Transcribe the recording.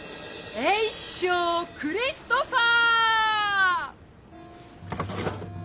エイショウクリストファー！